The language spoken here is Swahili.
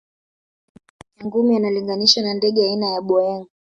nyangumi analinganishwa na ndege aina ya boeing